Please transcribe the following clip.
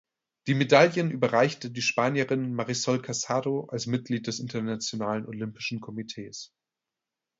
Die Medaillen überreichte die Spanierin Marisol Casado als Mitglied des Internationalen Olympischen Komitees.